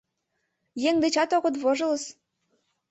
— Еҥ дечат огыт вожылыс?